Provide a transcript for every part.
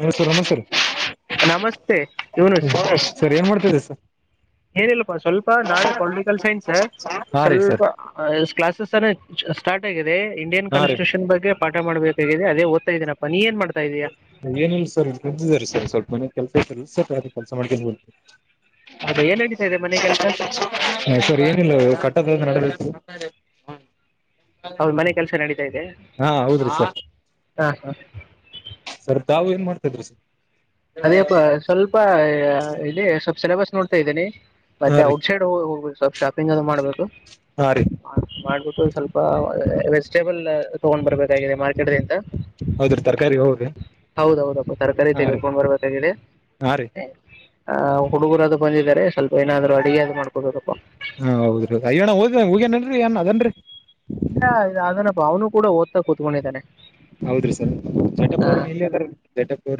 ಹಮ್ಮಸರ್ ಅಮ್ಮಸರ್ ನಮಸ್ತೆ ಬ ಸರಿ ಏನ್ ಮಾಡ್ತಿದೆ ಸ ಏನಿಲ್ಲಪ್ಪಾ ಸ್ವಲ್ಪಾ ನಾಳೆ ಪೊಲಿಟಿಕಲ್ ಸೈನ್ಸ್ ಹಾ ರೀ ಸರ್ ಸ್ವಲ್ಪ ಕ್ಲಾಸಸ್ ಸ್ಟಾರ್ಟ್ ಆಗ ಇಂಡಿಯನ್ ಹಾ ರೀ ಕಾನ್ಸ್ಟಿಟ್ಯೂಷನ್ ಬಗ್ಗೆ ಪಾಠ ಮಾಡಬೇಕಾಗಿದೆ ಅಧೆ ಓದ್ ಇದನಪ್ಪ ನೀ ಏನ್ ಮಾಡ ಏನಿಲ್ಲ ಸರ್ ಬಂದಿದ್ದಾರೆ ಸರ್ ಸ್ವಲ್ಪ ಮನೆ ಕೆಲ್ಸ ತ ಸ ಅ ಕೆಲಸ ಮಾಡ್ಕೊಂಡ ಬಿ ಹೌದು ಏನ್ ನಡೀತಾ ಇದೆ ಮನೆ ಕೆಲಸ [unintelligible] ಸರ್ ಏನಿಲ್ಲ ಕಟ್ಟದ ನಡೆ ಹೌದು ಮನೆ ಕೆಲಸ ನಡೀತಾ ಹಾ ಹೌದ್ರೀ ಹಾಂ ಹಾಂ ಸರ್ ತಾವು ಏನ್ ಮಾಡ್ತಿದ್ ಸರ್ ಅದೇಪ್ಪಾ ಸ್ವಲ್ಪ ಇಲ್ಲಿ ಸ್ವಲ್ಪ ಸಿಲೆಬಸ್ ನೋಡ್ತಾ ಇದ್ದೇನಿ ಹಾ ಮತ್ತೆ ರೀ ಔಟ್ಸೈಡ್ ಹ ಹೋಗಬೇಕ ಸ್ಲ್ಪ ಶಾಪಿಂಗ್ ಅದ ಮಾಡ್ಬೇಕು ಹಾ ರೀ ಸ್ವಲ್ಪ ವೆಜಿಟೇಬಲ್ ತಗೊಂಡ್ ಬರ್ಬೇಕಾಗಿದೆ ಮಾರ್ಕೆಟ್ದಂತ ಹೌದ್ರಿ ತರಕಾರಿ ಹೌದ್ರಿ ಹೌದೌದಪ್ಪ ತರಕಾರಿ ಹಾ ತಗ ರೀ ಹಾ ರೀ ಹುಡುಗರ ಬಂದಿದ್ದಾರೆ ಸ್ವಲ್ಪ ಏನಾದ್ರು ಅಡಿಗೆ ಅದು ಮಾಡ್ಕೊಬೇಕಪ್ಪ ಹಾ ಹೌದ್ರಿ ಅಯ್ಯಣ್ಣ ಹೋದ ಹೂಗೇನನ್ರಿ ಏನ್ ಅದನ್ರಿ ಅವ್ನು ಕೂಡಓದತ ಕುತ್ಕೊಂಡಿದ್ದಾನೆ ಹೌದ್ರಿ ಸರ್ ಜಟಪೋರ್ ಇಲ್ಲಿ ಅದ್ರ ಜಟಪೋರ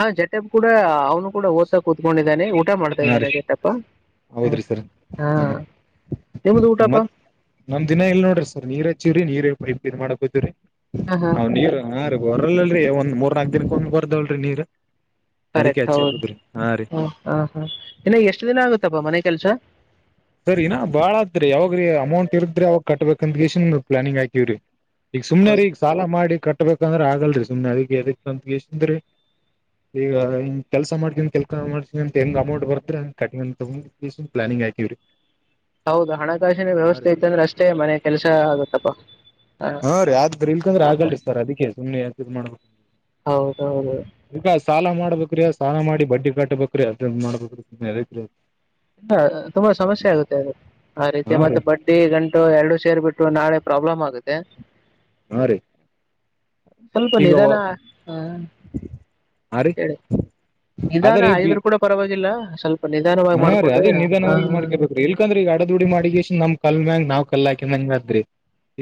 ಹಾ ಜಟಪ್ ಕೂಡ ಅವನು ಕೂಡ ಓದ್ತಾ ಕೂತ್ಕೊಂಡಿದ್ದಾನೆ ಊಟ ಮಾಡ್ತಾ ಹಾ ರೀ ಇದ್ದೇನೆತ್ತಪ್ಪಾ ಹೌದ್ರಿ ಸರ್ ಹಾ ನಿಮ್ದ ಊಟಪಾ ಮತ್ ನಮ್ ಇನ್ನ ಎಲ್ಲಿ ನೋಡ್ರಿ ನೀರ್ ಹಚ್ಚಿವವ್ರಿ ನೀರ್ ಪೈಪ್ ಇ ಮಾಡಕ್ಕೋತೀರರಿ ಹಾ ಹಾ ನೀ ಹೊರಲ್ಲಲ್ ಒಂದ ಮೂರ್ ನಾಲ್ಕ ದಿನಕ್ಕೆ ಹೊಂದ್ ಬರ್ದವಳರರಿ ನೀರ್ ಅದಕ್ಕೆ ಕರೆಕ್ಟ್ ಹಚ್ಚಿ ಹೌದು ಹಾಕುದ್ರಿ ಹಾ ರೀ ಹ ಹಾ ಹಾ ಇನ್ನು ಎಷ್ಟ ದಿನ ಆಗುತ್ತಪ್ಪಾ ಮನೆ ಕೆಲ್ಸ ಸರಿ ನಾ ಬಾಳ ಅತ್ರಿ ಯಾವಾಗ್ರೀ ಅಮೌಂಟ್ ಇರದ್ರಿ ಅವಾಗ ಕಟ್ಬೇಕಂದ ಇಷ್ಟನ್ ಪ್ಲಾನಿಂಗ್ ಹಾಕಿವವ್ರಿ ಈಗ ಸುಮ್ನೆ ರೀ ಈಗ ಸಾಲ ಮಾಡಿ ಕಟ್ಟಬೇಕಂದ್ರೆ ಆಗಲ್ರರಿ ಸುಮ್ನೆ ಅದಿಗೆ ಅದ ಅಂತ ಎಷ್ಟನ್ ಈಗ ಕೆಲಸ ಮಾಡ್ತನಿ ಕೆಲ್ಸ ಮಾಡ್ತನಿ ಅಂತ ಹೆಂಗ್ ಅಮೌಟ್ ಬರ್ತಾರೆ ಪ್ಲಾನಿಂಗ್ ಆಯತವ್ರಿ ಹೌದು ಹಣಕಾಸಿನ ರೀ ವ್ಯವಸ್ಥೆ ಇತ್ತಂದ್ರೆ ಅಷ್ಟೇ ಮನೆ ಕೆಲಸ ಆಗತ್ತಪ್ಪಾ ಹಾ ರ ಆದ್ರರಿ ಇಲ್ ಅಂದ್ರೆ ಆಗಲ್ರಿ ಸರ್ ಅದಕ್ಕೆ ಸುಮ್ನೆ ಯ್ ಮಾಡ್ಬ ಹೌದೌದು ಸಾಲ ಮಾಡ್ಬೇಕುರಿ ಸಾಲ ಮಾಡಿ ಬಡ್ಡಿ ಕಟ್ಬೇಕ್ರೀ ಅದ ಮಾಡ್ಬೇಕ್ರ ಇಲ್ಲ ತುಂಬಾ ಸಮಸ್ಯೆ ಆಗುತ್ತೆ ಅದು ಆ ರೀತಿ ಹಾ ರೀ ಮತ್ತೆ ಬಡ್ಡಿ ಗಂಟು ಎರಡುೂ ಸೇರ್ ಬಿಿಟ್ಟು ಇ ನಾಳೆ ಪ್ರಾಬ್ಲಮ್ ಆಗುತ್ತೆ ಹಾ ರೀ ಸ್ವಲ್ಪ ಈಗ ನಿಧಾನ ಹಾ ಹಾ ರೀ ಹೇಳಿ ಅದೇ ಇದಾನ ರೀ ಐದರು ಕೂಡ ಪರವಾಗಿಲ್ಲ ಸ್ವಲ್ಪ ನಿಧಾನವಾಗಿ ಹಾ ರೀ ಮಾಡ್ಕೊಡ್ರಿ ಅದೇ ಹಾ ನಿಧಾನವಾಗಿ ಮಾಡ್ಕೇಬೇಕ್ರೀ ಇಲ್ಕಂದ್ರ ಈಗ ಅಡ ದುಡಿ ಮಾಡಿ ಇಷ್ಟ ನಮ ಕಲ್ ಮ್ಯಾಗ್ ನಾವ್ ಕಲ್ಲಾಕ ಮದ್ರಿ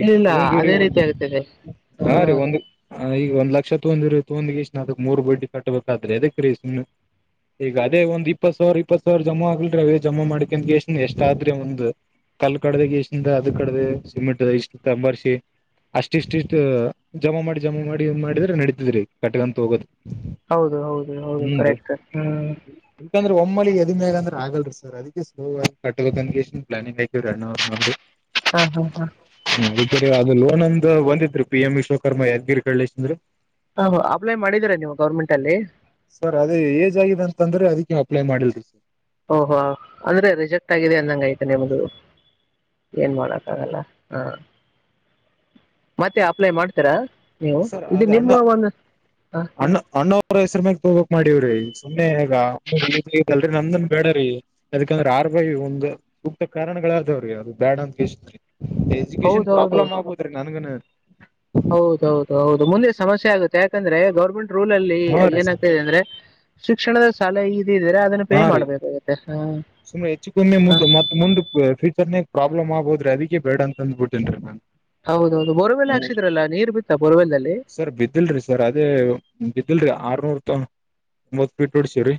ಈಗ ಇಲ್ಲ ಇಲ್ಲ ಒಂದು ಅದೇ ರೀತಿ ಆಗ್ತದೆ ಹಾ ರೀ ಒಂದು ಈಗ ಒಂದ್ ಲಕ್ಷ ತೊಂದಿರ ತಂದಿ ಇಷ್ಟ್ಣ ಅದಕ್ ಮೂರು ಬಡ್ಡಿ ಕಟ್ಬೇಕಾದ್ರೆ ಅದಕ್ಕೆ ರೀ ಸುಮ್ಮ ಈಗ ಅದೇ ಒಂದ್ ಇಪ್ಪತ್ ಸಾವಿರ ಇಪ್ಪತ್ ಸಾವಿರ ಜಮಾ ಆಗ್ಲ್ರಿ ಅದೇ ಜಮಾ ಮಾಡಕಂತ ಎಷ್ಟ ಎಷ್ಟ ಆದ್ರೆ ಒಂದು ಕಲ್ ಕಡ್ದ ಗಷ್ಟಿಂದ ಅದ ಕಡ್ದ ಸಿಮೆಂಟ್ ಇಷ್ಟಂಬಾರಸಿ ಅಷ್ಟ ಇಷ್ಟ ಇಷ್ಟ ಜಮಾ ಮಾಡಿ ಜಮಾ ಮಾಡಿ ಮಾಡಿದ್ರೆ ನಡತಿದ್ರಿ ಕಟ್ಟಗಂತ ಹೋಗೋದ್ ಹೌದು ಹೌದು ಹೌದು ಕರೆಕ್ಟ್ ಹ್ಮ್ [unintelligible] ಒಮ್ಮಳ [unintelligible] ಅಂದ್ರೆ ಆಗಲ್ರಿ ಸರ್ ಅದಕ್ಕೆ ಸ್ಲೋ ಆಗ ಕಟ್ಟಬೇಕನ್ ಪ್ಲಾನಿ್ ಆಯಐವರಿ ಎಣೂರು ಮಿ ಹಾಂ ಹಾ ಹಾ ಅದು ಲೋನ್ ಅಂದ ಒಂದಿದ್ರು ಪಿ ಎಂ ವಿಶ್ವಕರ್ಮ ಯದ್ಗಿರಿ ಕಳ್ಳೇಶ ಅಂದ್ರರು ಹ ಅಪ್ಲೈ ಮಾಡಿದೀರಾ ನೀವು ಗೌರ್ಮೆಂಟ್ ಅಲ್ಲಿ ಸರ್ ಅದ ಏಜ್ ಆಗಿದೆ ಅಂತಂದ್ರೆ ಅದಿವು ಅಪ್ಲೈ ಮಾಡಿಲ್ರಿ ಸರ್ ಓಹೋ ಅಂದ್ರೆ ರಿಜೆಕ್ಟ್ ಆಗಿದೆ ಅಂದಂಗ ಐತೆನೆಮ್ದು ಏನ್ ಮಾಡಕ್ಕ ಆಗಲ್ಲ ಹಾ ಮತ್ತೆ ಅಪ್ಲೈ ಮಾಡ್ತೀರಾ ನೀವು ಸರಿ ಅ ಇದು ಅಣ ನಿಮ್ಮ ಒಂದು ಅಣ್ಣ ಅಣ್ಣವರ ಹೆಸರು ಮಾಗ ತಬೇಕ ಮಾಡೀವ್ರಿ ಸುಮ್ಮನೆ ಈಗಲ್ರಿ ನಂದನ್ ಬೇಡ್ರೀ ಅದಕಂದ್ರ ಆರ್ಗೈ ಒಂದು ಸೂಕ್ತ ಕಾರಣಗಳಾದದಾವ್ರೀ ಅದು ಬ್ಯಾಡ ಅಂತ ಕೇಸಿ ಹೌದು ಎಜುಕೇಶನ್ ಹೌದು ಪ್ರಾಬ್ಲಮ್ ಆಗ್ಬೋದ್ರಿ ನನ್ಗನು [unintelligible] ಹೌದು ಹೌದು ಹೌದು ಮುಂದೆ ಸಮಸ್ಯೆ ಆಗುತ್ತೆ ಯಾಕಂದ್ರೆ ಗೌರ್ಮೆಂಟ್ ರೂಲ್ ಅಲ್ಲಿ ಹಾ ರೀ ಸರ್ ಏನಾಗ್ತದೆ ಅಂದ್ರೆ ಶಿಕ್ಷಣದ ಸಾಲ ಇ ಹ ರೀ [unintelligible] ಸುಮ್ ಹೆಚ್ಚು ಕಮ್ಮೆ ಹಾ ಮು ಮತ್ತೆ ಮುಂದ್ ಸರ್ ನೀಗ್ ಪ್ರಾಬ್ಲಮ್ಗೋದ್ರೀ ಅದಕ್ಕೆ ಬೇಡ ಅಂತ ಬಿಟ್ಟೇನ್ ರೀ ನಾನ್ [unintelligible] ಹೌದೌದು ಬೋರ್ವೆಲ್ ಹ [unintelligible] ಹಾಕ್ಸಿದ್ರಲ್ಲ ನೀರು ಬಿತ್ತ ಬೋರ್ವೆಲ್ದಲ್ಲಿ ಸರ್ ಬಿದ್ದಲ್ರಿ ಸರ್ ಅದೇ ಬ ಇಲ್ರರಿ ಆರ್ನೂರ್ ತ ಮೂವತ್ ಫೀಟ್ ಒಡಸವ್ರೀ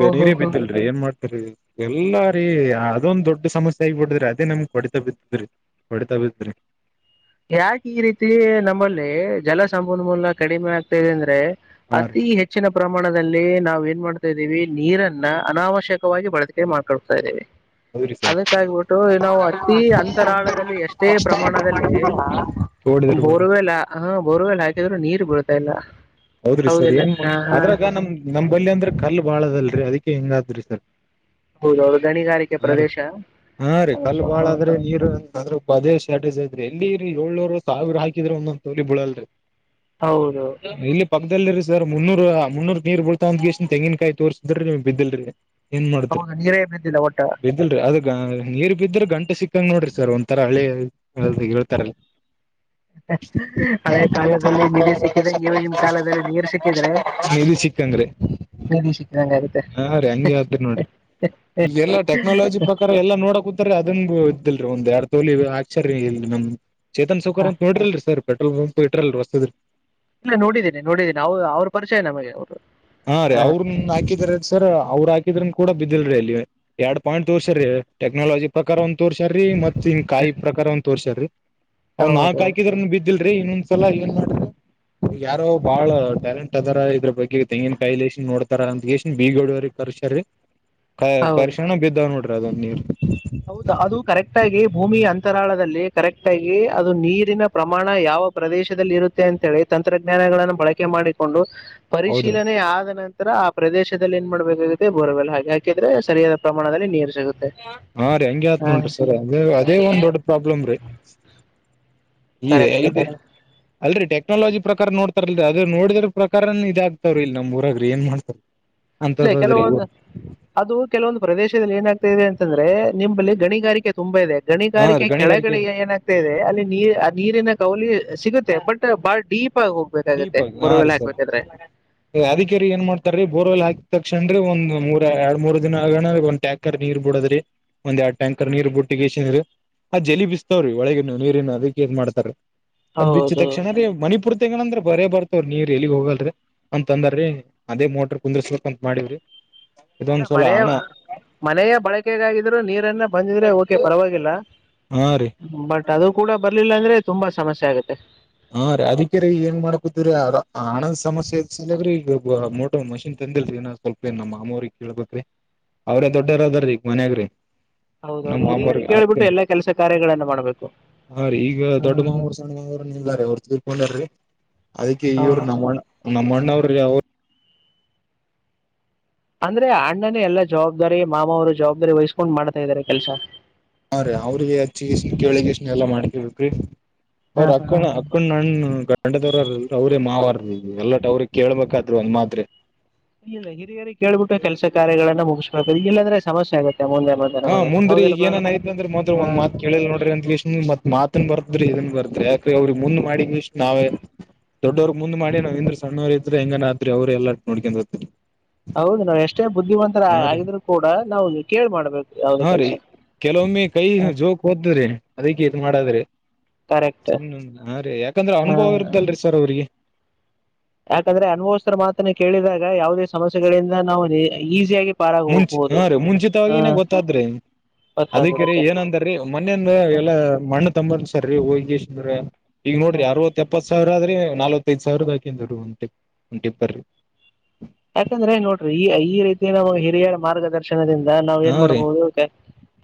ಹೋ ಹೋ ನೀರಿ ಹೋ ಬಿದ್ದಲ್ರಿ ಏನ್ ಮಾಡ್ತರಿ ಎಲ್ಲಾರಿ ಅದೊಂದ್ ದೊಡ್ ಸಮಸ್ಯೆ ಆಗ್ಬಿಡದ್ರಿ ಅದೇ ನಮ್ ಹೊಡಿತಾ ಬಿದ್ದಿದ್ರಿ ಕೊಡಿತಾ ಬಿದ್ರಿ ಯಾಕೆ ಈ ರೀತಿ ನಮ್ಮಲ್ಲಿ ಜಲ ಸಂಪನ್ಮೂಲ ಕಡಿಮೆ ಆಗ್ತದೆ ಅಂದ್ರೆ ಹಾ ರೀ ಅತಿ ಹೆಚ್ಚಿನ ಪ್ರಮಾಣದಲ್ಲಿ ನಾವ್ ಏನ್ ಮಾಡ್ ದೀವಿ ನೀರನ್ನ ಅನಾವಶ್ಯಕವಾಗಿ ಬಳಕೆ ಮಾಡ್ಕೊಳ್ತಾ ಇದೀವಿ. ಹೌದ್ರಿ ಸರ್ ಅದಕ್ಕಾಗಿಬಿಟ್ಟು ನಾವು ಅತಿ ಅಂತರಾಳದಲ್ಲಿ ಎಷ್ಟೇ ಪ್ರಮಾಣದಲ್ಲಿ ತೋಡಿದ್ರ ಬರ ಬೋರ್ವೆಲ್ ಹಾ ಬೋರ್ವೆಲ್ ಹಾಕಿದ್ರು ನೀರ್ ಬೀಳ್ತಾ ಇಲ್ಲ. ಹೌದ್ರಿ ಸರ್ ಹೌದಿಲ್ಲ ಏನ್ ಹಾ ಹಾ ಅದ್ರಾಗ ನಮ್ ನಮ್ ಬಲ್ಲಿ ಅಂದ್ರೆ ಕಲ್ ಬಾಳ ಅದಲ್ರರಿ ಅದಕ. ಹಿಂಗದ್ರ ಸರ್ ಹೌದು ಅದು ಗಣಿಗಾರಿಕೆ ಹಾ ರೀ ಪ್ರದೇಶ. ಹಾ ರೀ ಕಲ್ಲು ಬಾಳಾದ್ರಿ ನೀರು ಅದರದ ಅಷ್ಟೇ ಶ್ಯಾಟಜ್ತ್ ಐತ್ರಿ ಎಲ್ಲಿ ರೀ ಏಳ್ನೂರು ಸಾವಿರ ಹಾಕಿದ್ರೆ ಒಂದೊಂದ್ ತೋಲಿ ಬಿಲ್ಲಳ ರಿ ಹೌದು ಹಂಗ ಅಲ್ಲ ರಿ ಸರ್ ಮುನ್ನೂರ ಮುನ್ನೂರ್ ನೀರ್ ಬೀಳ್ತವ್ ಅಂದ್ಕೆಸಿ ಇಷ್ಟನ್ ತಂಗಿನಕಾಯಿ ತೋರ್ಸಿದ್ರ್ ನೀರ್ ಬಿದ್ದಿಲ್ರರಿ. ಏನ್ ಮಾಡ್ತರಿ [unintelligible] ಹೌದು ನೀರೇ ಬಿದ್ದಿಲ್ಲ ಒಟ್ಟ ಬಿದ್ದಲ್ರಿ ಅದಗ ನೀರ್ ಬಿದ್ದ್ರ ಗಂ ಸಿಕ್ಕಂಗ ನೋಡ್ರಿ ಸರ್ ಒಂಥರ ಹಳೆ ಕಡೆ ಹೇಳ್ತಾರಲ್ ಹಳೆ ಕಾಲದಲ್ಲಿ ನಿಧಿ ಸಿಕ್ಕಿದಂಗೆ ಇವಗಿನ [unintelligible] ನಿಧಿ ಸಿಕ್ಕಂಗ್ರಿ. [unintelligible] ನಿಧಿ ಸಿಕ್ಕಿದಂಗೆ ಆಗುತ್ತೆ ಹಾ ರೀ ಹಂಗೆ ಅದ ನೋಡ್ರಿ ಈ ಎಲ್ಲಾ ಟೆಕ್ನಾಲಜಿ ಪ್ರಕಾರ ಎಲ್ಲಾ ನೋಡಕ್ ತರಿ ಅದನ್ ಇದ್ದಲ್ರಿ ಒಂದ್ ಎರಡ್ ತೋಲಿ ಅಚಾರಿ ಇ ನಮ ಚೇತನ್ ಸಾಹುಕಾರ್ ಹ. ಅಂತ ನೋಡ್ರಿಲ್ರಿ ಸರ್ ಪೆಟ್ರೋಲ್ ಪಂಪ್ ಇಟ್ರಲ್ ರ ಹೊಸದು. ಇಲ್ಲ ನೋಡಿದ್ದೀನಿ ನೋಡಿದ್ದೀನಿ ಅವ ಅವ ಅವ್ರ ಪರಿಚಯ ನಮಗೆ ಅವ್ರು. ಹಾ ರೀ ಅವ್ರನ ಹಾಕಿದಾರ ಸರ್ ಅವ್ರ ಆ ಇದನ ಕೂಡ ಬಿದ್ದಿಲ್ರರಿ ಅಲ್ಲಿ ಎರಡ್ ಪಾಯಿಂಟ್ ತೋರ್ಸ್ರೀ ಟೆಕ್ನಾಲಜಿ ಪ್ರಕಾರ ಒಂದ್ ತೋರ್ಸಾರ್ರೀ ಮತ್ ತೆಂಗಿನಕಾಯಿ ಪ್ರಕಾರ ಒಂದ ತೋರ್ಸ್ಯಾರ್ರೀ ಅವ್ನ್ ಹೌದು ನಾಲ್ಕಕಾಯ್ಕಿದ್ರ ಬಿದ್ದಿಲ್ರಿ ಇನ್ನೊಂದ ಎಲ್ಲ ಏನ್ ಮಾಡ್ ಯಾರೋ ಬಾಳ ಟ್ಯಾಲೆಂಟ್ ಅದರ ಇದ್ರ ಬಗ್ಗೆ ತೆಂಗಿನ ಕಾಯಲಿ ಬೀಳಿಸಿ ನೋಡ್ತಾರ ಅಂತ ಎಷ್ಟ ಬೀಗಡ್ರರಿ ಕರ್ಶರರಿ ಕ ಹೌದು ಕರ್ಶಣ ಬಿದ್ದಾವ್ ನೋಡ್ರಿ. ಪ್ರದನೀರ ಹೌದು ಅದು ಕರೆಕ್ಟ್ ಆಗಿ ಭೂಮಿ ಅಂತರಾಳದಲ್ಲಿ ಕರೆಕ್ಟ್ ಆಗಿ ಅದು ನೀರಿನ ಪ್ರಮಾಣ ಯಾವ ಪ್ರದೇಶದಲ್ಲಿ ಇರುತ್ತೆ ಅಂತೆ ಹೇಳಿ ತಂತ್ರಜ್ಞಾನಗಳನ್ನು ಬಳಕೆ ಮಾಡಿಕೊಂಡು ಹೌದ್ರಿ ಪರಿಶೀಲನೆ ಆದ ನಂತ ತರ ಆ ಪ್ರದೇಶದಲ್ಲಿ ಏನ್ ಮಾಡ್ಬೇಕಾಗುತ್ತೆ ಬೋರವೆಲ್ಲ ಹಾಗೆ ಆಕಿದ್ರೆ ಸರಿಯಾದ ಪ್ರಮಾಣದಲ್ಲಿ ನೀರ್ ಹಾ ರೀ ಹಂಗಗೆ ಆತ್ ನೋಡ್ರಿ ಸರ್ ಅದ ಅದೇ ಒಂದ್ ದೊಡ್ಡ ಪ್ರಾಬ್ಲಮ ರೀ ಕರೆಕ್ಟ್ ಕರೆ ಅಲ್ರೀ ಟೆಕ್ನಾಲಜಿ ಪ್ರಕಾರ ನೋಡ್ತಾರಲ್ರಿ ಅದ ನೋಡಿದ್ರ ಪ್ರಕಾರ ಇದಾಗಗ್ತವ್ರೀ ಇಲ್ಲಿ ನಮ್ಮ ಊರ್ರ ಏನ್ ಮಾಡ್ತಾರ. ಇಲ್ಲ ಅಂತದ್ರಿ ಕೆಲವೊಂದು ಅದು ಕೆಲವೊಂದು ಪ್ರದೇಶದಲ್ಲಿ ಏನಾಗ್ತಾ ಇದೆ ಅಂತಂದ್ರೆ ನಿಮ್ಮಲ್ಲಿ ಗಣಿಗಾರಿಕೆ ತುಂಬಾ ಇದೆ ಹಾ ಗಣಿಗಾರಿಕೆ ರೀ ಗಣಿಗಾರಿಕೆ ಕೆಳಗಡೆ ಏನಾಗ್ತಾ ಇದೆ ಅಲ್ಲಿ ನೀರು ಆ ನೀರಿನ ಕವಲಿ ಸಿಗುತ್ತೆ ಬಟ್ ಬಾಳ ಡೀಪ್ ಆಗಿ ಹೋಗ್ಬೇಕಾಗತ್ತೆ ದೀಪಕ್ ಹಾ ರೀ ಬೋರ್ವೆಲ್ ಸರ್ ಹಾಕ್ಬೇಕಾದ್ರೆ ಅದಿಕರಿ ಏನ್ ಮಾಡ್ತಾರೀ ಬೋರ್ವೆಲ್ ಹಾಕಿ ತಕ್ಷಣ್ರೆ ಒಂದ್ ಮೂರ ಎರಡ್ ಮೂರ್ ದಿನ ಆಗಣ ಒಂದ ಟ್ಯಾಂಕರ್ ನೀರ್ ಬಿಡೋದ್ರಿ ಒಂದ್ ಎರಡ್ ಟ್ಯಾಂಕರ್ ನೀರ್ ಬುಟ್ಟಿಗೆಸ ಇಂದ ಆ ಜಲಿ ಬಿಸ್ತಾವ್ರೀ ಒಳಗ ನೀರನ್ನು ಅದಕ್ಕೆೇದ ಮಾಡ್ತಾರ್ರೀ. ಅದ್ ಬಿಚ್ಚ ಹೌದು ತಕ್ಷಣ್ರೀ ಮಣಿಪುರ್ ತಿಂಗಳಂದ್ರ ಬರೇ ಬರ್ತವ್ರ ನೀರ್ ಎಲ್ಲಿಗ್ ಹೋಗಲ್ರರಿ ಅಂತ ಅಂದಾರೀ ಅದೇ ಮೋಟರ್ ಕುುದರ್ಸ್ಬೇಕಂತ ಮಾಡೀವ್ರಿ ಇಲ್ಲ ಇದೊಂದು ಸಲ ಮನೆ ಅಣ್ಣ ಮನೆಯ ಬಳಕೆಗಾಗಿದ್ರು ನೀರನ್ನ ಬಂದಿದ್ರೆ ಓಕೆ ಪರವಾಗಿಲ್ಲ ಹಾ ರೀ ಬಟ್ ಅದು ಕೂಡ ಬರ್ಲಿಲ್ಲ ಅಂದ್ರೆ ತುಂಬಾ ಸಮಸ್ಯೆ ಆಗತ್ತೆ ಹಾ ರೀ ಅದಿಕ ರ ಏನ್ ಮಾಡ್ಕೊತ್ರರಿ ಹಣದ್ ಸಮಸ್ಯೆ ಹೆಚ್ಚಿಗೆ ಅದರ ಈಗ ಮೋಟರ್ ಮಷಿನ್ ತ ಇಲ್ಲರಿ ಅಣ್ಣ ಸ್ವಲ್ಪ ನಮ್ಮ ಮಾಮೂ್ರಿಗೆ ಕೇಳ್ಬೇಕ್ರಿ ಅವ್ರೇ ದೊಡ್ಡರ ಅದಾರೀಗ ಮನ್ಯಾಗ್ರಿ ನಮ್ ಹೌದೌದು ಮಾಮರ್ ಹಿರಿಯರಿಗೆ ಕೇಳ್ಬಿಟ್ಟು ಅಕ್ಕನ್ ಎಲ್ಲಾ ಕೆಲಸ ಕಾರ್ಯಗಳನ್ನ ಮಾಡ್ಬೇಕು ಹಾ ರೀ ಈಗ ದೊಡ್ಡ ಮಾಮರ ಸಣ್ಣ ಮಾಮರ ಇಲ್ಲ ರೀ ಅವ್ರ ತೀರಕೊಂಡರ ರಿ ಅದಕ್ಕೆ ಇವ್ರು ನಮ್ಮಣ್ಣ ನಮ್ಮಣ್ಣ ಅವ್ರೀ ಅವರು ಅಂದ್ರೆ ಅಣ್ಣನೇ ಎಲ್ಲಾ ಜವಾಬ್ದಾರಿ ಮಾವವರು ಜವಾಬ್ದಾರಿ ವಹಿಸ್ಕೊಂಡ್ ಮಾಡ್ತಾ ಇದಾರೆ ಕೆಲ್ಸ ಹಾ ರೀ ಅವ್ರಿಗೆ ಹೆಚ್ಚೆಗೆಸಿಂದ ಕೇಳಿಗಸಿದ ಎಲ್ಲ ಮಾಡ್ಕೋಬೇಕರಿ ಅವ್ರ ಅಕ್ಕನ ಅಕ್ಕನ ಗಂಡ ಗಂಡದವರೇ ಅವ್ರೇ ಮಾವಾರ ಎಲ್ಲ ಅವ್ರಿಗೆ ಕೇಳಳ್ಬೇಕಾದ್ರು ಒಂದ್ ಮಾತ್ ಇಲ್ಲ ಹಿರಿಯ ಕೇಳ್ಬಿಟ್ಟು ಕೆಲಸ ಕಾರ್ಯಗಳನ್ನ ಮುಗಿಸಬಾರದ ಇಲ್ಲಂದ್ರೆ ಸಮಸ್ಯೆ ಆಗತ್ತೆ ಹಾ ಮುಂದ್ರರಿ ಈಗಏನನ್ಯ್ತ್ ಅಂದ್ರೆ ಹಾ ಒಂದ್ ಮಾತ್ ಕೇಳಿಲ್ ನೋಡ್ರಿತ್ ಮಾತನ್ ಬರ್ ಅ್ರಿ ಇದನ್ ಬರ್ದ್ರಿ ಯಾಕ್ರೆ ಅವ್ರಿಗೆ ಮುಂದ್ ಮಾಡಿ ಇಷ್ಟ್ ನಾವೇ ದೊಡ್ಡವ್ರಗ್ ಮುಂದ್ ಮಾಡಿ ನಾವ್ಂದ್ರ ಸಣ್ಣವರ್ ಇದ್ರ ಹೆಂಗನಾದತ್ರಿ ಅವ್ರ ಎಲ್ಲ ನೋಡ್ಕೊಂಡ ಹತರಿ ಹೌದು ನಾವ ಎಷ್ಟೇ ಬುದ್ಧಿವಂತರ ರೀ ಆಗಿದ್ರು ಕೂಡ ನಾವು ಕೇಳ್ ಮಾಡ್ಬೇಕು ಯಾವುದೇ ಹಾ ರೀ ಕೆಲಸ ಕೆಲವೊಮ್ಮೆ ಕೈ ಜೋಕ್ ಓದ್ದ್ರಿ ಅದಕ್ಕೆ ಇದ್ ಮಾಡದ್ರಿ ಕರೆಕ್ಟ್ ಸು್ ಹಾ ರೀ ಯಾಕಂದ್ರೆ ಹ ಅನುಭವ ಇರುದಲ್ರರಿ ಸರ್ ಅವ್ರಿಗೆ ಯಾಕಂದ್ರೆ ಅನ್ಭವಸ್ ಮಾತನ್ನ ಕೇಳಿದಾಗ ಯಾವುದೇ ಸಮಸ್ಯೆಗಳಿಂದ ನಾವು ಈಸಿಯಾಗಿ ಪಾರಾಗಿ ಮುಂಚಿ ಹೋಗ್ಬೋದು ಹಾ ರೀ ಹಾ ಮುಂಚಿತವಾಗಿಗನೇ ಗೊತ್ತಾದ್ರೆ ಅದಕ್ಕರಿ ಗೊತ್ತಾಗ್ಬಿಡುತ್ತೆ ಏನಂದಾರೀ ಮೊನೆಯಂದ ಎಲ್ಲಾ ಮಣ್ಣ ನ್ ಸರಿರಿ ಹೋಗಿಂದ್ರ ಈಗ ಹಾ. ನೋಡ್ರಿ ಯಾರ ಸಾವಿರ ಆದ್ರೆ ನಾಲ್ವತ್ತೈದು ಸಾವಿರ ಬಾಕಿ ಉಟಿಪ್ಂಟಿಪ್ಪ್ರಿ ಯಾಕಂದ್ರೆ ನೋಡ್ರಿ ಈ ಈ ರೀತಿ ನಾವು ಹಿರಿಯರ ಮಾರ್ಗದರ್ಶನ ಣದಿಂದ ನಾವ್ ಹಾ ಏನ್ ರೀ ಮಾಡ್ಬಹುದು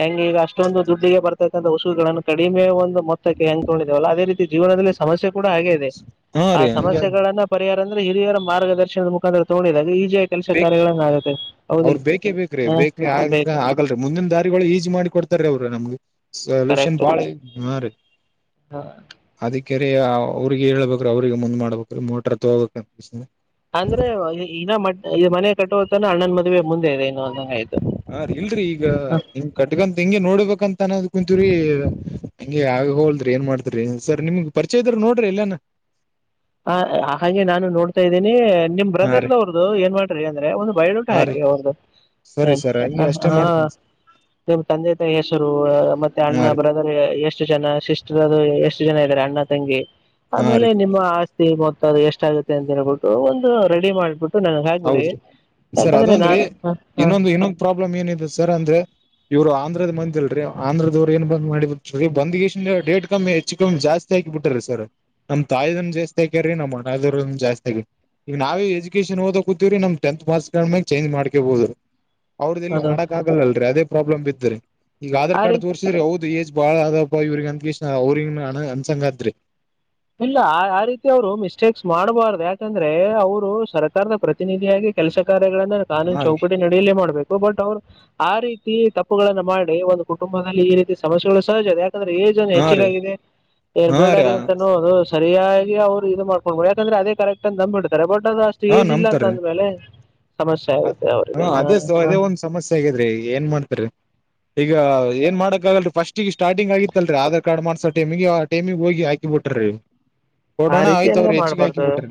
ಹೆಂಗ ಈಗ ಅಷ್ಟ ಷ್ಟೊಂದು ದುಡ್ಡಿಗೆ ಬರತಕ್ಕಂಥ ವಸುಗಳನ್ನು ಕಡಿಮೆ ಒಂದು ಮೊತ್ತಕ್ಕೆ ಹೆಂಕೊಂಡಿದಿವವಲ್ಲ ಅದೇ ರೀತಿ ಜೀವನದಲ್ಲಿ ಸಮಸ್ಯೆ ಕೂಡ ಹಾಗೆ ಇದೆ ಹಾ ಆ ರೀ ಹಂಗೆ ಸಮಸ್ಯೆಗಳನ್ನ ಪರಿಹಾರ ಅಂದ್ರೆ ಹಿರಿಯರ ಮಾರ್ಗದರ್ಶನದ ಮುಖಾಂತರ ತಗೊಂಡಿದಾಗ ಈ ಅವ್ರ ಬೇಕೇ ಬೇಕ್ರ ಹ ಬೇಕ್ರ ಬೇಕು ಆಗಲ್ ಮುಂದಿನ ದಾರಿಗಳು ಈಜಿ ಮಾಡಿ ಕೊಡ್ತಾರೀ ಅವರು ನಮಗೆ ಸಲ್ಯೂಷನ್ಳ ಹಾ ಕೆರೆ ಅವ್ರಿಗೆ ಹೇಳ್ಬೇಕ್ರರು ಅವ್ರಿಗೆ ಮುಂದ್ ಮಾಡ್ಬೇಕ್ರ ಮೋಟರ್ ತಗೋಬೇಕ ಅಂದ್ರೆ ಇನ್ನ ಮ ಇ ಮನೆ ಕಟ್ಟುವ ತನ ಅಣ್ಣನ್ ಮದುವೆ ಮುಂದೆ ಇದೆ ಇನ್ನು ಅಂದಂಗ ಆಯ್ತು ಹಾ ಇಲ್ರರಿ ಈಗ ಹಂಗ್ ಕಟ್ಗಂತ ಹೆಗೆ ನೋಡ್ಬೇಕಂತ ಅನ್ನೋದ್ ಕು ರಿ ಹಂಗೆ ಆಗ ಹೋಲ್ದ್ರಿ ಏನ್ ಮಾಡ್ತರಿ ಸರ್ ನಿಮ್ಗ್ ಪರಿಚಯ ಇದ್ರ ನೋಡ್ರಿ ಇಲ್ಲಾನ ಹ ಹಾಗೆ ನಾನು ನೋಡ್ತಾ ಇದ್ದೀನಿ ನಿಮ್ ಹಾ ರೀ ಬ್ರದರ್ವ್ರ್ದು ಏನ್ ಮಾಡ್ರಿ ಅಂದ್ರೆ ಒಂದು ಬಯಳ್ಳೂಟ ಹಾ ರೀ ಹಾಕಿ ಅವ್ರ್ದು ಸರಿ ಸರ್ ಹಂಗೆ ಹ ಅಷ್ಟೇ ಹಾ ಮಾಡ್ತೀನಿ ನಿಮ್ಮ್ ತಂದೆ ಹೆಸರು ಮತ್ತೆ ಹಾ ಅಣ್ಣ ರೀ ಬ್ರದರ್ ಎಷ್ಟು ಜನ ಸಿಸ್ಟರ್ ಅದು ಎಷ್ಟು ಜನ ಇದಾರೆ ಅಣ್ಣ ತಂಗಿ ಹಾ ಆಮೇಲೆ ರೀ ನಿಮ್ಮ ಮೊತ್ತ ಅದು ಎಷ್ಟಾಗಗುತ್ತೆ ಅಂತ ಹೇಳ್ಬಿಟ್ಟು ಒಂದು ರೆಡಿ ಮಾಡ್ಬಿಟ್ಟು ನನಗ್ ಹಾಕ್ಬಿಡಿ ಹೌದ್ರಿ ಸರ್ ಯಾಕಂದ್ರೆ ಅದೊಂದ್ರೀ ನಾನು ಹ, ಹ, ಇನ್ನೊಂದು ಇನ್ನೊಂದ್ ಪ್ರಾಬ್ಲಮ್ ಏನಿದೆ ಸರ್ ಅಂದ್ರೆ ಇವರು ಆಂಧ್ರ ಬಂದಲ್ರಿ ಆಧ್ರದವ್ ಏನ್ ಬಂದ ಮಾಡಿ ಬಿರೀ ಬಂದ ಡೇಟ್ ಕಮ್ಮಿ ಹೆಚ್ಚು ಕಮ್ಮಿ ಜಾಸ್ತಿ ಹಾಕಿ ಬಿಟ್ಟ್ರರಿ ಸರ್ ನಮ್ ತಾಯನ್ ಜಾಸ್ತಿ ಆಾಕ್ಯಾರ ನಮ್ಮ ಅಣ್ಣದವ್ರ ಜಾಸ್ತಿ ಆಕ್ಯರಿ ಈಗ ನಾವೇ ಎಜುಕೇೇಶನ್ ಓದ ಕೂತೀವರಿ ನಮ್ ಟೆಂತ್ ಮಾರ್ಸ್ ಕ ಮ ಚೇಂ ಮಾಡ್ಕಬಹುದು ಅವ್ರದ ಇಲ್ಲಿ ಅದು ಮಾಡಕಕ್ ಆಗಲ್ಲಲ್ರರಿ ಅದೇ ಪ್ರಾಬ್ಲಮ್ ಇ ಈಗ ಆಧಾರ್ ಆ ಕಾರ್ಡ್ ರೀತಿ ತೋರ್ಸಿದ್ರೆ ಹೌದು ಏಜ್ ಬಾಳ ಅದಪ್ಪ ಇವ್ರಿಗೆ ಅನ್ಕಷ ಅವ್ರಿ ಅನ್ಸಂಗತ್ ಇಲ್ಲ ಆ ರೀತಿ ಅವ್ರು ಮಿಸ್ಟೇಕ್ಸ್ ಮಾಡ್ಬಾರ್ದು ಯಾಕಂದ್ರೆ ಅವರು ಸರ್ಕಾರದ ಪ್ರತಿನಿಧಿಯಾಗಿ ಕೆಲಸ ಕಾರ ಕಾನೂನು ಹಾ ರೀ ಚೌಕಟಿ ನಡಲಿೇ ಮಾಡ್ಬೇಕು ಬಟ್ ಅವ್ರು ಆ ರೀತಿ ತಿ ತಪ್ಪುಗಳನ್ನು ಮಾಡಿ ಒಂದು ಕುಟುಂಬದಲ್ಲಿ ಈ ರೀತಿ ಸಮಸ್ಯೆಗಳು ಸಹಜದೆೆ ಏಜ್ ಒ ಹಾ ರೀ ಹೆಚ್ಚಿಗಾಗಿದೆ ಏನ್ ಹಾ ರೀ ಬೇಡಾರಿ ಅಂತೋ ಅದು ಸರಿಯ ಅವ್ರು ಇದು ಮಾಡ್ಕೊಂಡ್ಬೋ ಯಾಕಂದ್ರೆ ಅದೇ ಕರೆಕ್ಟ್ ಅ್ದಂಬ್ಡ್ತಾರೆ ಬಟ್ ಅದು ಅಷ್ಟು ಹಾ ಏಜ್ ಇಲ್ಲ ಅಂತ ನಂಬ್ತಾರೀ ಅಂದ್ಮೇಲೆ ಸಮಸ್ಯೆ ಆಗುತ್ತೆ ಹ ಅವರಿಗೆ ಹಾ ಅದೇ ಹಾ ಅದೇ ಒಂದ್ ಸಮಸ್ಯೆ ಆಗಿದ್ರಿ ಏನ್ ಮಾಡ್ತರಿ ಈಗ ಏನ್ ಮಾಡಕ್ಗಲ್ ಫಸ್ಟಿಗೆ ಸ್ಟಾರ್ಟಿಂಗ್ ಆಗಿತ್ತಲ್ರಿಧಾರ್ಡ್ ಮಾಡಸ ಟೈಮಿಗೆ ಆಟೈಮಿಗೆ ಹೋಗಿ ಬಿಟ್ರಿ ಆ ಕೊರೋನಾ ರೀತಿ ಆಯತ್ತು ಎಲ್ಲ ಅವರು ಎಚ್ಚು ಕಾಕಿ ಮಾಡಬಾರ್ದು ಬಿಟ್ಟ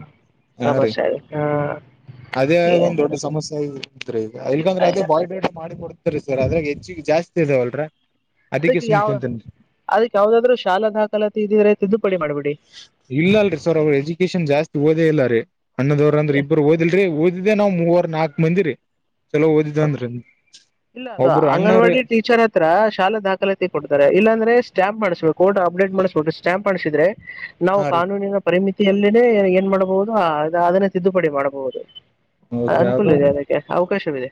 ಹಾ ರೀ ಸಮಸ್ಯೆ ಆಗುತ್ತೆ ಹಾ ಅದೇ ಏ- ಒಂದ್ ದೊಡ್ಡ ಸಮಸ್ಯ್ರೀ ಈಗ ಇವ್- ಇಲ್ಗಂದ್ರೆ ಅದೇ ಬಾಯ್ಡೇಟ ಮಾಡಿ ಕೊಡ್ತರಿ ಸರ್ ಅದ್ರೆ ಹೆಚ್ಚಿಗೆ ಜಾಸ್ತಿ ಇದಾವಲ್ರ ಅದಕ್ಕೆ ಸುಮ್ ಯಾವ ಕುಂತೇನ್ ಅದಕ್ ಯಾವ್ದಾದ್ರು ಶಾಲಾ ದಾಖಲಾತಿ ಇದಿದ್ರೆ ತಿದ್ದುಪಡಿ ಮಾಡ್ಬಿಟ್ಟು ಇಲ್ಲಲ್ರಿ ಸರ್ ಅವ್ರ ಎಜುಕೇಶನ್ ಜಾಸ್ತಿ ಓದೇ ಇಲ್ಲ ಅಣ್ಣದವ್ರ ಅಂದ್ರ ಇಬ್ಬರು ಓದಿಲ್ರಿ ಓದಿದ್ದೆ ನಾವ್ ಮೂವರ್ ನಾಕ್ ಮಂದಿರರಿ ಓದಿದ್ದನ್ ರೀ ಇಲ್ಲ ಅ ಅಂಗನವಾಡಿ ಟೀಚರ್ ಹತ್ರ ಶಾಲಾ ದಾಖಲಾತಿ ಕೊಡ್ತಾರೆ ಇಲ್ಲಾಂದ್ರೆ ಸ್ಟ್ಯಾಂಪ್ ಮಾಡ್ಸ್ಬೇಕು ಕೋರ್ಟ್ ಅಪ್ಡೇಟ್ ಮಾಡಿಸ್ಬಿಟ್ಟು ಸ್ಟಾಂಪ್ ಮಾಡಿಸಿದ್ರೆ ನಾವು ಹಾ ರೀ ಕಾನೂನಿನ ಪರಿಮಿತಿ ಎಲ್ಲಿ ಏನ್ ಮಾಡಬಹುದು ಅದನ್ನೇ ತಿದ್ದುಪಡಿ ಮಾಡಬಹುದು ಹೌದ್ರಿ ಅನುಕೂಲ ಇದೆ ಅದೊಂದು ಅದಕ್ಕೆ ಅವಕಾಶವಿದೆ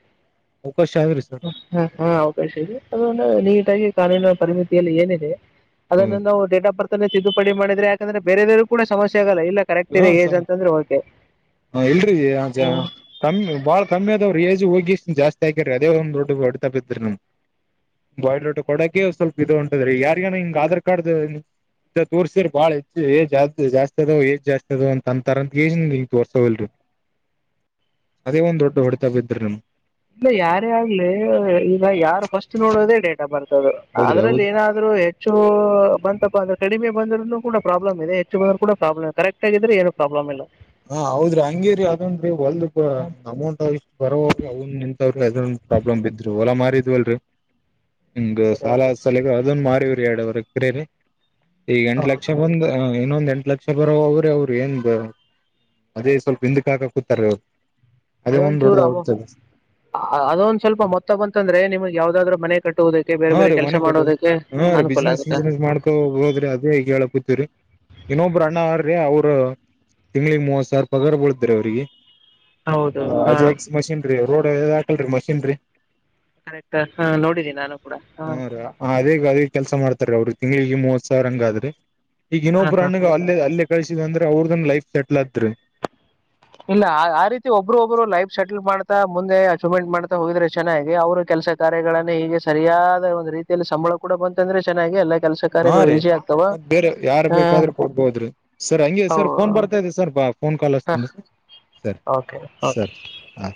ಅವಕಾಶ ಆದ್ರಿ ಸರ್ ಹಾ ಹಾ ಅವಕಾಶ ಇದೆ ಅದ ನೀಟಾಗಿ ಕಾನನ ಪರಿಮಿತಿಯಲ್ಲಿ ಏನಿದೆ ಅದನ್ನು ನಾವು ಡೇಟ್ ಆಫ್ ಬರ್ತ್ ತಿದ್ದುಪಡಿ ಮಾಡಿದ್ರ ಯಾಕಂದ್ರೆ ಬೇರೆದವೂಡ ಸಮ್ಯೆ ಆಗಲ್ಲ ಕರೆಕ್ಟ್ ಇದೆ ಏಜ ಹ್ಮ ಅಂತಂದ್ರೆಕೆ ಹ ಇಲ್ರಿ ಕಮ್ಮ ಬಾಳ ಕಮ್ಮಿ ಅದವರು ಏಜ ಹೋಗಿ ಜಾಸ್ತಿ ಅದೇ ಒಂದು ರೋತಾತ ಬಾಯಡ್ ರೋಟ ಕೊಡೋಕೆ ಸ್ವಲ್ಪ ಇದು ಉಂಟದ್ರೀ ಯಾರ್ಗ್ಯನ ಹಿಂಗ್ ಆಧಾರ್ ಕಾರ್ಡ್ ಇ ತೋರ್ಸ್ರರ್ ಬಾಳ ಹೆಚ್ಚ ಜಾಸ್ ಅದ ಜಾಸ್ತಿ ಅದ ಅಂತ ಅಂತಾರಂತ ಕಜ ತೋರ್ಸಲ್ರಿ ಇಲ್ಲ ಯಾರೇ ಆಗ್ಲಿ ಈಗ ಯಾರು ಫಸ್ಟ್ ನೋಡೋದೇ ಡೇ ಬರ್ತದು ಹೌದ್ರಿ ಅದ್ರಲ್ಲಿ ಹೌದ್ ಏನಾದ್ರು ಹೆಚ್ಚು ಬಂತಪ್ಪ ಅಂದ್ರೆ ಕಡಿಮೆ ಬಂದ್ರರು ಕೂಡಾಬ್ಲಮ್ದೆ ಹೆಚ್ಚ ಬಂದ ಕೂಡಾಬ್ಲಮ್ ಕರೆಕ್ಟ್ಗ್ರೆ ಏನು ಪ್ರಾಬ್ಲಮ ಇಲ್ಲ ಹಾ ಹೌದ್ರಿ ಹಂಗೇರಿ ಅದೊಂದು ಒಲ್ ಅಮೌಂಟ್ಷ್ಟು ಬ ಅವನ್ ನಿಂತವ್ರು ಅದ್ರ ಪ್ರಾಬ್ಲಮ್ ಬಿದ್ರು ಹೊಲ ಮಾರ ಇದವಲ್ರಿ ಹಂಗ ಸಾಲ ಸಲ ಅದನ್ ಮಾರವಿ ಎರಡವರ ಕರರಿ ಈಗ ಎಂಟ ಲಕ್ಷ ಬಂದ್ ಇನ್ನೊಂದ್ ಎಂಟ ಲಕ್ಷ ಬರೋ ಅವ್ರೇ ಅವ್ರು ಏನ್ ಅದೇ ಸ್ವಲ್ಪ ಹಿಂದಕ್ಕೆ ಹಾಕ ಕೂತಾರೆ ಅವ್ರು ಅದೇ ಒಂದ್ ದೊಡ್ಡದ ಅದೊಂದ್ಚೂರು ಆಗ್ತದೆ ಅದೊಂದ್ ಸ್ವಲ್ಪ ಮೊತ್ತ ಅಂತಂದ್ರೆ ನಿಮಗೆ ಯಾವ್ದಾದ್ರು ಮನೆ ಕಟ್ಟುವುದಕ್ಕೆ ಬೇರೆ ಹಾ ಬೇರೆ ರೀ ಕೆಲಸ ಮನೆ ಕೊಟ್ಟ ಮಾಡೋದಕ್ಕೆ ಹಾ ರೀ ಅನುಕೂಲ ಬಿಸ್ನೆಸ್ ಆಗುತ್ತೆ ವಿಸ್ನೆಸ್ ಮಾಡ್ಕೊ ಹೋದ್ರಿ ಅದೇ ಹೇಳ ಕೂತೀವ್ರರಿ ಇನ್ನೊಬ್ಬ್ರ ಅಣ್ಣ ಅವ್ರಿ ಅವ್ರ ತಿಂಗಳಗ್ ಮೂವತ್ ಸಾವ್ರ ಪಗಾರ್ ಬಳದ್ರಿ ಅವ್ರಿಗೆ ಹೌದು ಹ ಹಾಂ ಅಜಕ್ ಮಷೀನ್ರಿ ರೋಡ್ ಹಾಕಲ್ರರಿ ಮಷೀನ್ರಿ ಕರೆಕ್ಟ್ ಹ ನೋಡಿದ್ದನಿ ನಾನು ಕೂಡ ಹ ಹಾಂ ರ ಅದೇ ಅದೇ ಕೆಲ್ಸ ಮಾಡ್ತಾರ ಅವ್ರಿಗೆ ತಿಂಗಗಳಳಿಗೆ ಮೂವತ್ ಸಾವಿರ ಹಂಗಾದ್ರಿ ಈಗ ಹಾಂ ಇನ್ನೊಬ್ಬ್ರ ಹಾಂ ಹಣ್ಣಗ ಅಲ್ಲೇ ಅಲ್ಲೇ ಕಳಸಿದ ಅಂದ್ರೆ ಅವ್ರದನ್ ಲೈಫ್ ಸೆಟ್ಲ್ ಆದ್ರಿ ಇಲ್ಲ ಆ ರೀತಿ ಒಬ್ರು ಒಬ್ರು ಲೈಫ್ ಸೆಟಲ್ ಮಾಡ ಮುಂದೆ ಅಚೀವ್ಮೆಂಟ್ ಮಾಡ್ತಾ ಹೋಗಿದ್ರೆ ಚೆನ್ನಾಗಿ ಅವರ ಕೆಲಸ ಕಾರ್ಯಗಳನ್ನೇ ಹೀಗೆ ಸರಿಯಾದ ಒಂದು ರೀತಿಯಲ್ಲಿ ಸಂಬಂಧ ಕೂಡ ಬಂತಂದ್ರೆ ಚೆನ್ನಾಗಿ ಎಲ್ಲ ಕೆಲಸ ಕಾರ್ಯಗಳು ಈಸಿ ಆಗ್ತದೆ ಮ ಬೇರೆ ಯಾರ ಬೇಕಾದ್ರೆ ಕೊಡ್ಬೋದ್ರಿ ಸರ್ ಹಂಗೆ ಸರ್ ಫೋನ್ ಬರ್ತಾದೆ ಸರ್ ಬಾ ಫೋನ್ ಕಾಲ್ ಓಕೆ ಎಸ್ಂಡ ಸರ್ ಸರಿ ಓಕೆ ಸರ್ ಹಾಂ